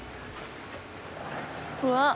うわっ。